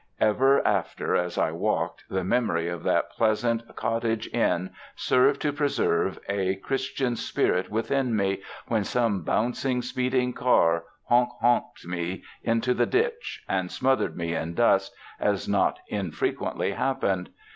Ever after as I walked, the memory of that pleasant cottage inn served to preserve a Chris 164 THE FRANCISCAN MISSIONS tian spirit within me when some bouncing, speeding car honk honked me into the ditch and smothered me in dust, as not infrequently happened.